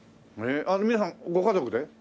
皆さんご家族で？